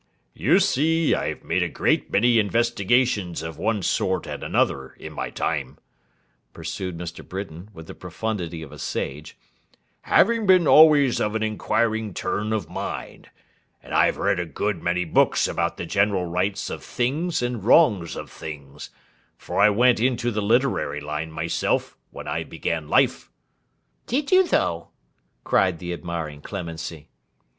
'You see I've made a good many investigations of one sort and another in my time,' pursued Mr. Britain, with the profundity of a sage, 'having been always of an inquiring turn of mind; and I've read a good many books about the general Rights of things and Wrongs of things, for I went into the literary line myself, when I began life.' 'Did you though!' cried the admiring Clemency.